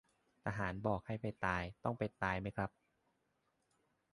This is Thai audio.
ทหารบอกให้ไปตายต้องไปตายไหมครับ